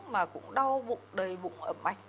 mà cũng đau bụng đầy bụng ẩm ảnh